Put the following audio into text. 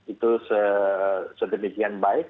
itu sedemikian baik